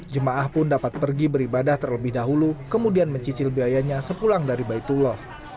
jemaah pun dapat pergi beribadah terlebih dahulu kemudian mencicil biayanya sepulang dari baitullah